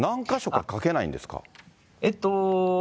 何か所かかけないんですか？